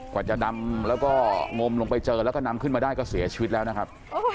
กว่าจะดำแล้วก็งมลงไปเจอแล้วก็นำขึ้นมาได้ก็เสียชีวิตแล้วนะครับ